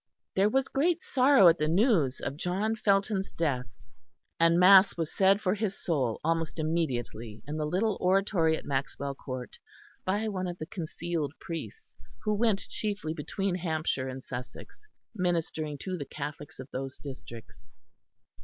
There was great sorrow at the news of John Felton's death; and mass was said for his soul almost immediately in the little oratory at Maxwell Court by one of the concealed priests who went chiefly between Hampshire and Sussex ministering to the Catholics of those districts.